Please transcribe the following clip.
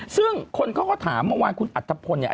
ซึ่งคนเขาก็ถามเมื่อวานคุณอัธพนิยา